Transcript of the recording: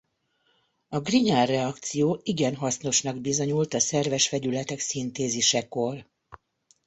A Grignard-reakció igen hasznosnak bizonyult a szerves vegyületek szintézisekor.